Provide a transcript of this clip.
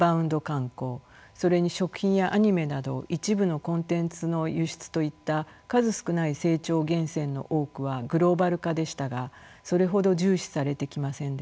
観光それに食品やアニメなど一部のコンテンツの輸出といった数少ない成長源泉の多くはグローバル化でしたがそれほど重視されてきませんでした。